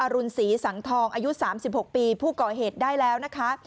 รุณศรีสังทองอายุ๓๖ปีผู้ก่อเหตุได้แล้วนะคะ